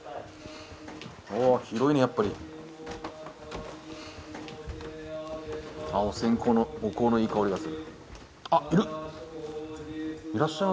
ああ広いねやっぱりお線香のお香のいい香りがするあっいる！